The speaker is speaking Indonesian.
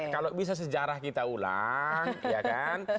kalau bisa sejarah kita ulang